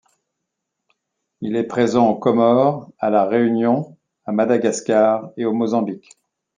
Il est présent aux Comores, à La Réunion, à Madagascar et au Mozambique.